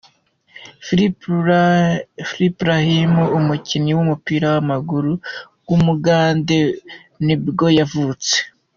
Philipp Lahm, umukinnyi w’umupira w’amaguru w’umugade nibwo yavutse.